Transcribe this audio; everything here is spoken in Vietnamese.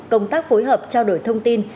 công tác phối hợp trao đổi thông tin